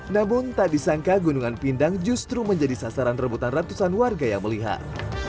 namun tak disangka gunungan pindang justru menjadi sasaran rebutan ratusan warga yang melihat